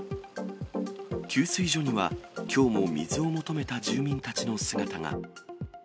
給水所には、きょうも水を求めた住民たちの姿が。